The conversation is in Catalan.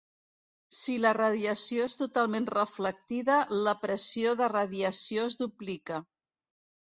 Si la radiació és totalment reflectida, la pressió de radiació es duplica.